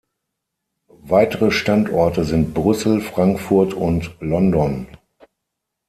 Weitere Standorte sind Brüssel, Frankfurt, und London.